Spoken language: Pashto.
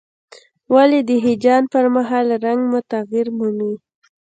ولې د هیجان پر مهال رنګ مو تغییر مومي؟